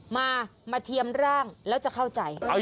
มามาเทียมร่างแล้วจะเข้าใจ